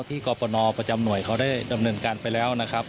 กรปนประจำหน่วยเขาได้ดำเนินการไปแล้วนะครับ